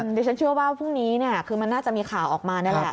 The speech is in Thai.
ดิฉันเชื่อว่าพรุ่งนี้คือมันน่าจะมีข่าวออกมานี่แหละ